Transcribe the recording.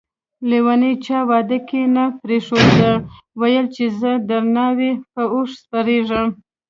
لیونی چا واده کی نه پریښود ده ويل چي زه دناوی په اوښ سپریږم